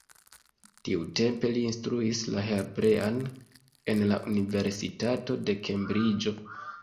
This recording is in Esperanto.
Tiutempe li instruis la hebrean en la Universitato de Kembriĝo.